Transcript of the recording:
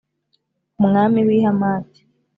Umwami w’i Hamati,